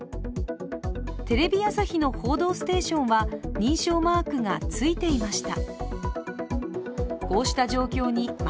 テレビ朝日の「報道ステーション」は認証マークがついていました。